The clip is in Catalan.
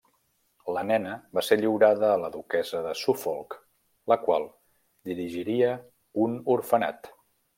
La nena va ser lliurada a la duquessa de Suffolk, la qual dirigiria un orfenat.